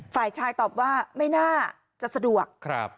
ฝ่ายชายตอบว่าไม่น่าจะสะดวก